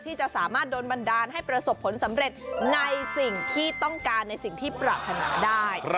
ที่จะสามารถโดนบันดาลให้ประสบผลสำเร็จในสิ่งที่ต้องการในสิ่งที่ปรารถนาได้